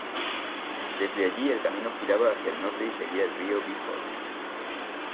Desde allí, el camino giraba hacia el norte y seguía el río Bighorn.